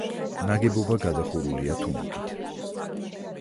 ნაგებობა გადახურულია თუნუქით.